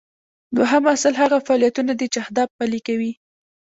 دوهم اصل هغه فعالیتونه دي چې اهداف پلي کوي.